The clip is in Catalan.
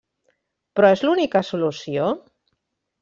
Però és l'única solució?